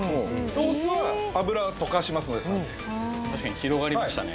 お酢は油を溶かしますので酸で確かに広がりましたね